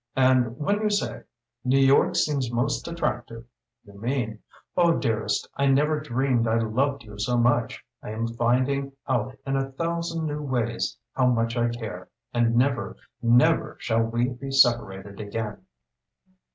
And when you say 'New York seems most attractive,' you mean 'Oh, dearest, I never dreamed I loved you so much! I am finding out in a thousand new ways how much I care, and never, never, shall we be separated again.'"